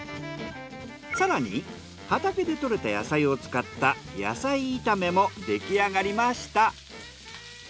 更に畑で採れた野菜を使った野菜炒めも出来上がりました。